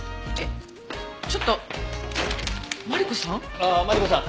ああマリコさん